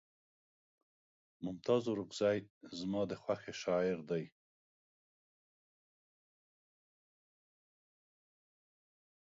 ممتاز اورکزے زما د خوښې شاعر دے